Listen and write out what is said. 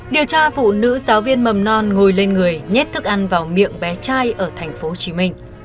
điều tra phụ nữ giáo viên mầm non ngồi lên người nhét thức ăn vào miệng bé trai ở tp hcm